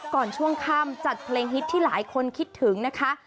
ช่วงค่ำจัดเพลงฮิตที่หลายคนคิดถึงนะคะ